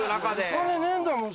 お金ねえんだもん